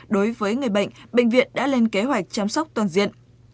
đối với người bệnh bệnh viện đã lên kế hoạch chăm sóc toàn diện